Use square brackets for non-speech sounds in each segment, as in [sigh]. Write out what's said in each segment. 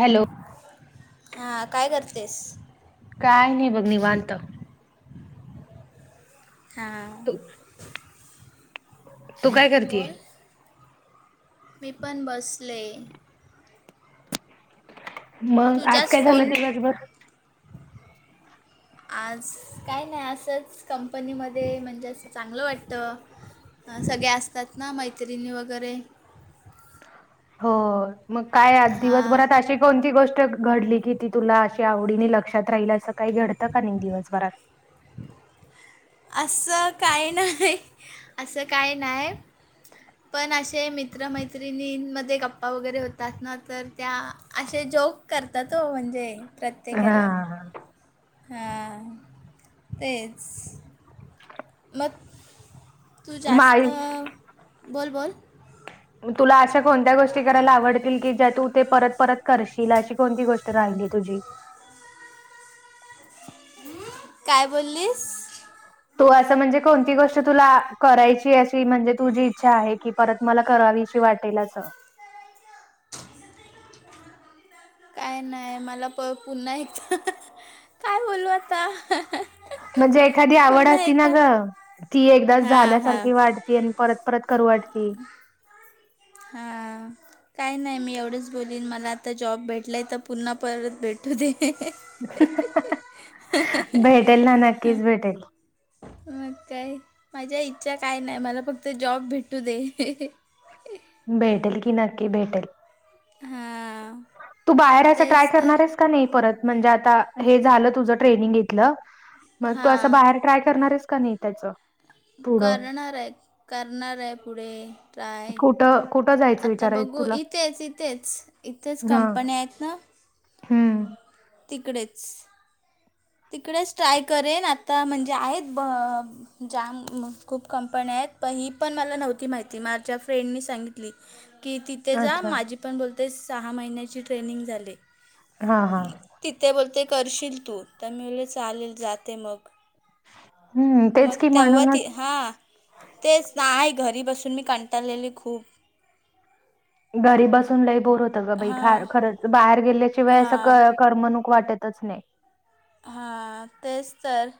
Hello. हा काय करतेस? कायं नाहीं बघं निवांत. हां. तू. तू काय करतेय? बोल मी पणं बसले. मंग आंज तुझाच कायं झालं फोन दिवसभरं आंज कांहीं नाहीं असंच कंपनीमध्ये म्हणजे असं चांगलं वाटतं. अहं सगळें असतांत नां मैत्रिणी वगैरें. हो मंग कायं आंज हां दिवसभरांत अशी कोणती गोष्ट घडली कि ती तुंला अशी आवडीने लक्षांत राहिलं असं कांहीं घडतं कां नाहीं दिवसभरांत. असं कांहीं नाहीं असं कांहीं नाहीं. पणं असे मित्रमैत्रिणींमध्ये गप्पां वगैरें होतांत नां तरं त्यां अश्या जोक करतांत ओ म्हणजे प्रत्येक यांला हा. हां तेचं. मंग तूं मग आई जास्तं बोल बोल. मंग तुंला अश्या कोणत्यां गोष्टी करायंला आवडतील की ज्यां तूं ते परंत परंत करशील अशी कोणती गोष्ट राहिली तुझी कायं बोललीस तूं असं म्हणजे कोणती गोष्ट तुंला करायंची अशी म्हणजे तुझी ईच्छा आहे की परंत मंला करावीशी वाटेल असं [unintelligible] कायं नाहीं मंला प पुन्हां एकदां कायं बोलूं आतां म्हणंजे एखादी आवडं असती नां गं ती एकदां हां हां झाल्यासांरखी वाटतं ती एक परंत परंत करूं वाटती. हां. कायं नाहीं मी एवढंच बोलीन मलां आंता जॉब भेटलांय तरं पुन्हां परंत भेटूं दे. भेटेल नां नक्कीचं भेटेल. मंग कायं माझ्यां इच्छा कायं नाहीं मलां फक्तं जॉब भेटू दे. भेटेलं की नक्की भेटेलं. हां तूं बाहेरय ट्राय तेच तर करणांरस की नाहीं परंत म्हणजेता हे झालं तुझं ट्रेनिंग की मंग तूं असं बाहेर ट्राय करणारंस की नाहीं त्यांचं करणारं आहे करणारं आहे पुढे टाय कुठं कुठं जायचं आंता विचार आहे बघूं तुला इथेचं इथेचं इथेचं कंपनी आहेतं नां हम्मं तिकडेचं तिकडेचं ट्राय करेन आंता म्हंणजे आहेतं प जामं खूंप कंपन्यां आहेतं पं ही पणं मलां नव्हती माहिती माझ्यां फ्रेंडनी सांगितली की तिथे जां अच्छा माझी पणं बोलते सहा महिन्यांची ट्रेनिंग झाली हा हा तिथे बोलते करशील तूं तरं मुले चालेल जांते हम्म मंग तेच मंग की त्यांवर म्हणूनच ती हां तेचं नाहीं घरी बसूंन मी कंटाळलेली खूंप घरी बसूंन लई बोर होत ग बाई ख हां खरचं बाहेर गेल्यांशिवाय असं हां करमणूक वाटतंच नाहीं हां तेचं तरं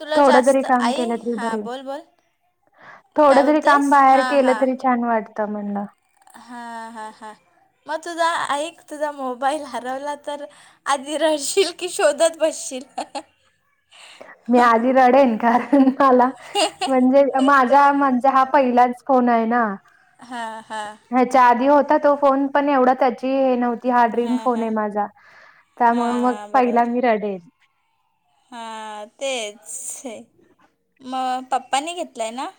तुंला थोडं जरी जास्तं काम आई केलं तरी हां बरे बोल बोल थोडं कायं जरी काम बोलतेसं बाहेर हां केलं हां तरी छान वाटतं मणला हा हा हा मग तुझा ऐक तुझा मोबाईल हरवला तर आधी रहशील की शोधत बसशील मी आधी रडेन कारण मला म्हणजे तर माझा म्हणजे हा पहिलाच कोण आहे ना हा हा ह्याच्या आधी होता तो फोन पण एवढा त्या हे नव्ह ती हा ड्रीम हां फोन हां आहे माझा त्यामुळे मग हां पहिला मी रडेन हा तेच हे म पप्पनी घेतलाय ना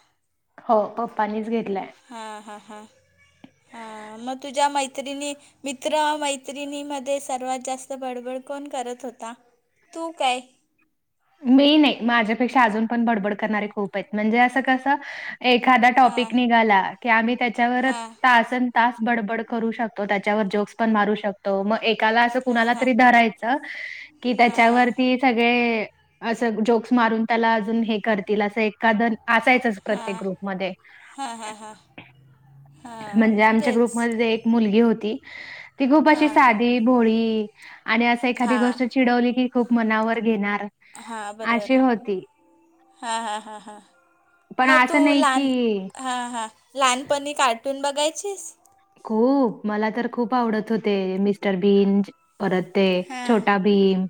हो पप्पनीच घेतलाय हां हां हां हां मग तुझ्या मैत्रिणी मित्र मैत्रिणीमध्येध्ये सर्वात जास्त बडबड कोण करत होता तू काय मी नाही माझ्यापेक्षा अजून पण बडबड करणारे खूप आहेत म्हणजे असं कसं एखादा हां टॉपिक निघाला की आम्ही त्याच्यावरच हां तासन तास बडबड करू शकतो त्याच्यावर जोक्स पण मारू शकतो मग एका अस हां कुणाला हां तरी धरायचं कि हां हां त्याच्यावरती सगळे असं जोक्स मारून त्याला अजून हे करतील असं एखदं असायचच करते ग्रुपमध्ये हा हा हा म्हणजे आमच्या ग्रुपमध्ये एक मुली होती त खूप अशी हां साधी भोळी आणि अस एखादी हां गोष्ट चिडवली की खूप मनावर घेणार हा बरबर अशी होती. हा हा हा हा पण मग तू असं नाही लहान की हां हां लहानपणी कार्टून बघायचीस खूप मला तर खूप आवडत होते मिस्टर बीं परत ते हां छोटा भीम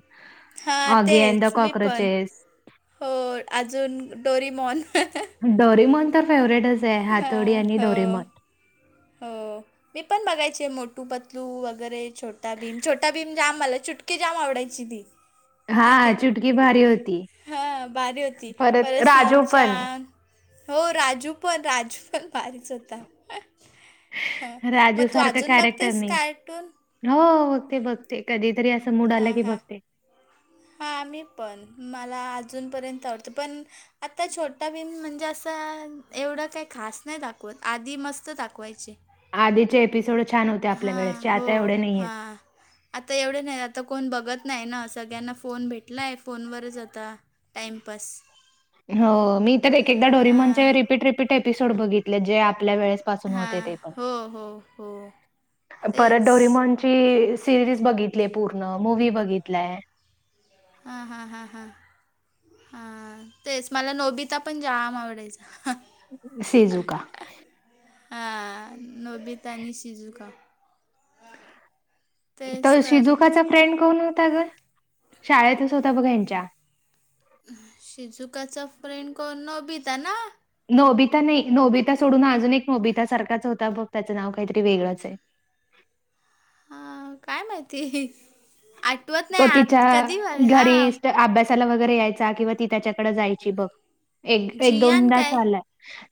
हां ऑगियान द तेच मी पण कॉक्रोचेस हो अजून डोरीमॉन डोरीमन तर फेवरेटच आहे हां हातोडी आणि हो डोरीमन हो मी पण बघायचे मोटू पतलू वगैरे छोटा भीम छोटा भीम जाम मला चुटकी जाम आवडायची ती हां, चुटकी भारी होती. हा बारी होती परत राजू परसिंचा पण. हो राजू पण राजू पण बारीच होता ह मग राजू तू सारखं अजून कॅरेक्टर बघतेस नाही. कार्टून हो बघते बघते कधीतरी असं मूड आला हां की हां बघते हां आ म्ही पण मला अजूनपर्यंत आवडतो पण आता छोटा बिन म्हणजे असं एवढं काही खास नाही दाखवत आधी मस्त दाखवायचे आधीचे एपिसोड छान होते आपल्या हां वेळेसचे हो आता एवढे नाहीय आहेत हां आता एवढं नाही आता कोण बघत नाही ना सगळ्यांना फोन भेटलाय फोनवरच आता टाइमपास हो मी तर एक एकदा हां डोरीमनच्या रिपीट रिपीट एपिसोड बघितले जे आपल्या वेळेस हां प हो हो हो पर तेच ज सिरीज बघितली पूर्ण मूव बघितलाय हम हम हा हा हा तेच मला नोबिता पण जाम आवडायचा सेजू का. हा नबितानी सिजुका. त शिजुकाचा फ्रेंड कोण होता ग शाळेतच होता बघ यांच्या. शिजुकाचा फ्रेंड कोण नबिता ना. नोबिता नाही नोबिता सोडून अजून एक नोबिता सारखाच होता बघ त्याचं नाव काहीतरी वेगळंच आहे. हा काय माहिती आठवत नाही तो आत कधी वर हा. ला वगैरे यायचा किंवा ती त्याच्याकडे जायची बघ एक एक जियान दोनदा काय चालाय.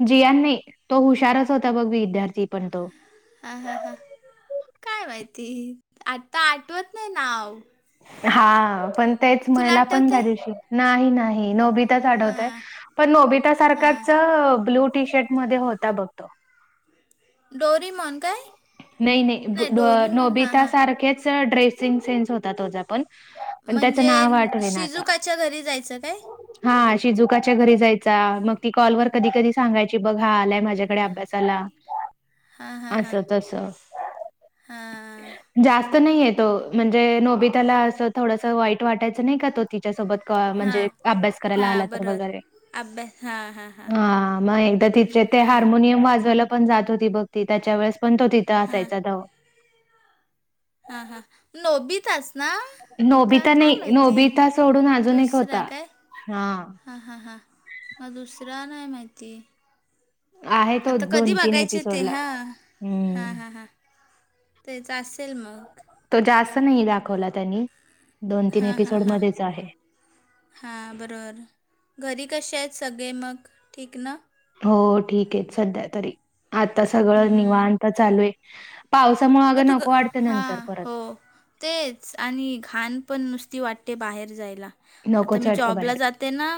जियान नाही तो हुशारच होता बघ विद्यार्थी पण तो. हा हा हा, काय माहिती आता आठवत नाही नाव. हा पण तेच तुला मला पण आठवत त्या आहे दिवशी नाही नाही नबी ''--'' तेच आढवतय हां पण नोबिता हां सारखाच ब्लू टी शर्ट मध्ये होता बघतो. डोरी मॉन काय. नाही नाही बु ट ब डोरीमॉन हां नोबिता हां सारखेच ड्रेसिंग सेन्स होता तोझा पण. पण त्याचं म्हणजे नाव आठवेना शिजुकाच्या घरी जायचं काय. हा शिजुकाच्या घरी जायचा मग ती कॉल वर कधी कधी सांगायची बघ हा आलाय माझ्या. आणि अभ्यासाला हां हां अस हां तस. हां जास्त नाहीय तो म्हणजे नो ''--'' बी त्याला असं थोडस वाईट वाटायचं नाही का तो तिच्यासोबत क म्हणजे अभ्यास करायला आला तर वगैरे. अभ्या''--'' हा हा हा, हा मग एकदा तिचे ते हार्मोनियम वाजवायला. पण जात होती बघ त त्याच्या वेळेस पण तो तिथं असायचा धा''--'' हा हां नोबी ताच. ना का नोबिता काय नाही, माहिती नोबिता सोडून अजून एक दुसरा होता. काय. हां हां हां, मग दुसरा नाही माहिती. आहे तो आता कधी बघायचे ते एपिसोडला. हा हा हम्म. हा, तेच असेल मग. तो जास्त नाही दाखवला त्यांनी. हा हा हा, एपिसोडमध्येच आहे. हां बरोबर घरी कसे आहेत सगळे मग ठीक ना. हो ठीक आहे सध्या तरी आता सगळं हम्म निवण तर चालू आहे. पावसामुळे मग अगं तू ग नको वाढतं नंतर हां परत. हो तेच आणि घाण पण नुसती वाटते बाहेर जायला. आता नकोच मी वाटतं जॉबला बाहेर. जाते ना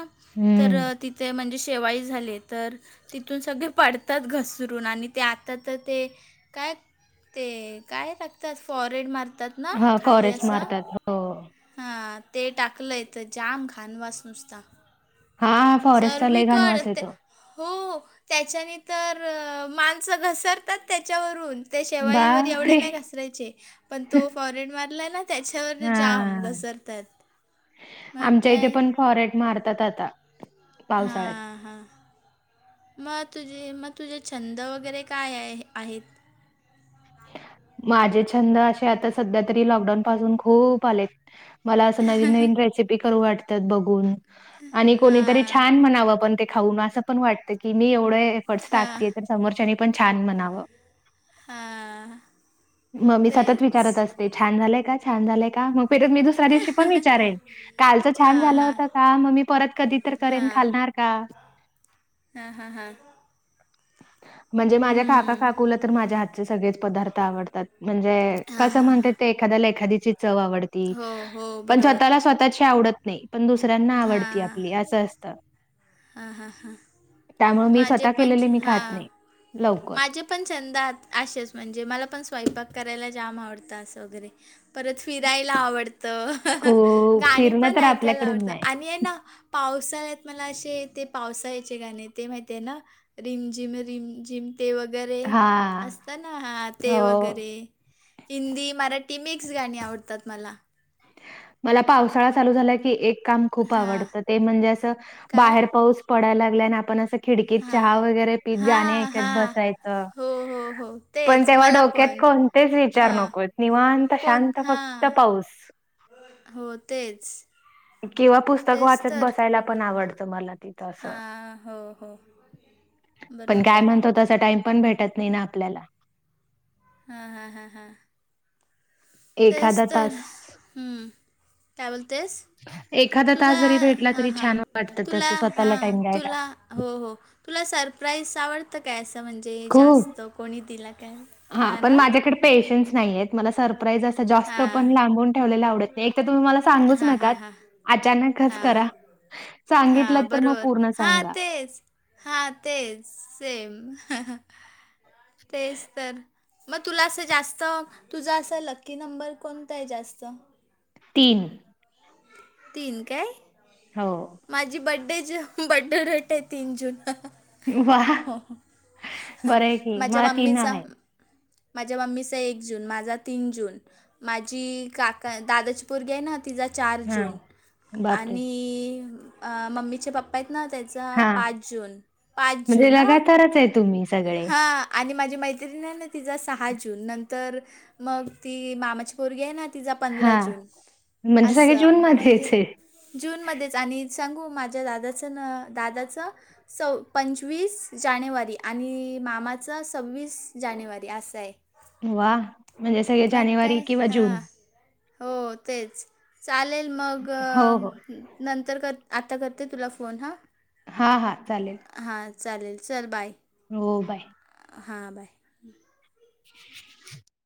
तर हम्म. तिथे म्हणजे शेवाई झाले तर. तिथून सगळे पडतात घसरून आणि ते आता तर ते काय. ते काय टगतात फॉरेड मारतात ना हां, खाली फॉरेस्ट असं. मारतात. हो. हा ते टाकलंय जाम घाणवास नुसता. हां, फॉरेस्टचा लय घाण वास सर्विकटते. येतो. हो त्याच्याने तर अ माणसं घसरतात त्याच्यावरून. त्या शेवाईवर एवढे बापरे! नाही घसरायचे पण तो फॉरेन मारलाय ना त्याच्यावर जाम. हां. घसरतात मग आमच्या इथे काय. पण फॉरेट मारतात आता. पावसाळ्यात. हा हा, मग तुझे मग तुझे छंद वगैरे काय आहे आहेत. माझे छंद असे आता सध्या तरी लॉकडाऊन पासून खूप आले. मला असं नवीन नवीन रेसिपी करू वाटतात बघून. आणि कोणीतरी हां, छान म्हणावं पण ते खाऊन असं पण वाटत की मी एवढं हे एफर्ट्स हां, टाकते तर समोरच्यानी पण छान म्हणावं. हा. मग मी सतत विचारत असते छान झालंय का छान झालंय का मग फिरत मी दुसऱ्या दिवशी पण विचारेन. कालचं छान हां, झालं हां, होतं का मग मी परत कधी तर करेन खालणार का? हा हा हा. म्हणजे माझ्या काका हं. काकूला तर माझ्या हातचे सगळेच पदार्थ आवडतात म्हणजे हां, कसं हां, म्हणते हां. ते एखाद्याला एखाद्याची चव आवडती हो, हो. पण बरोबर. स्वतःला स्वतःची आवडत नाही. पण दुसऱ्यांना आवडती हां. आपली असं असत. हां, हां, हां. त्यामुळ मी माझे स्वतः पण केलेले मी खात हां नाही लवकर माझे पण छंदात असेच म्हणजे मला पण स्वयंपाक करायला जाम आवडतं असं वगैरे परत फिरायला आवडतं खूप गाणी फिरणं पण तर ऐकायला आपल्याकडून आवडतं नाही आणि हायना पावसाळ्यात मला असे ते पावसाळ्याचे गाणे ते माहिती आहे ना? रिमझिम रिमझिम ते वगैरे हा असत ना हा ते हो वगैरे हिंदी मराठी मिक्स गाणी आवडतात मला. मला पावसाळा चालू झाला की एक काम खूप हां आवडतं ते म्हणजे असं काय बाहेर पाऊस पडायला लागलाय आणि आपण असं खिडकीत हां चहा वगैरे पीत गाणी हां ऐकत हां बसायचं हो हो हो पण तेच तेव्हा मला डोक्यात पण कोण तेच विचार हां नको आहेत निवांत कोण शांत हा फक्त पाऊस. हो तेच. किंवा पुस्तक तेच वाचत तर बसायला पण आवडतं मला ते. तस हा हो हो पण काय बरोबर म्हणत होतास? टाईम पण भेटत नाही ना आपल्याला. हा हा हा हा. तेच एखादा तर तास हम काय बोलतेस एखादा तुझा तास जरी भेटला हा तरी हा छान वाटतं तुला तसं हा स्वतःला टाइम द्यायला तुला हो हो तुला सरप्राईज आवड आता काय असं म्हणजे खूप जास्त कोणी दिला काय? हां, हा पण ना. माझ्याकडे पेशन्स नाहीयत मला सप्राईज अस जास्त पण हां लांबून ठेवलेल आवडत नाही एक तर तुम्ही मला सांगूच हां नका हां हां अचानकच हां करा सांगितलं तर मग पूर्ण सांगा. हा तेच सेम ह ह तेच तर. मग तुला असं जास्त तुझा असं लक्की नंबर कोणता आहे जास्त. तीन. तीन काय? हो. माझी बड्डे ज बड्डे डेट आहे तीन जून वाह! बरं आहे की. माझ्या मला मम्मीचा आहे. माझ्या मम्मीचा एक जून माझा तीन जून माझी काका दादाची पोरगी आहे ना तिचा चार हां. जून बापरे! आणि मम्मीचे पप्पा आहेत ना त्या तेनचा हां, पाच जून पाच म्हणजे जून ह लगातारच आहे तुम्ही सगळे. हा. आणि माझी मैत्रिणी आहे ना तिचा सहा जून नंतर मग ती मामाची पोरगी आहे ना तिचा पंधरा हां, जून म्हणजे सगळे असं जूनमध्येच म्हणजे आहे. जूनमध्येंचं आणि सांगू माझ्यां दादाचं नं दादाचं सव पंचवीस जानेवारी आणि मामाचं सव्वीस जानेवारी असं आहे. व्वा! म्हणजे सगळें मग जानेवारी काय किंवा जूंन हां हो तेचं चालेलं मंग. हो, हो. नंतर करं आंत्ता करतें तुलां फोन हां. हां हां चालेल. हां चालेल चलं बांय. हो बांय. हां बांय. [unintelligible]